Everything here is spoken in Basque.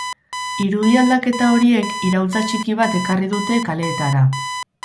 Irudi aldaketa horiek iraultza txiki bat ekarri dute kaleetara.